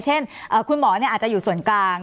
เช่นคุณหมออาจจะอยู่ส่วนกลาง